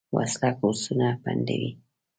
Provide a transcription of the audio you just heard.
وسله کورسونه بندوي